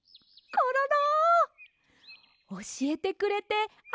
コロロ！